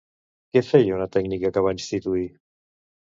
Què feia una tècnica que va instituir?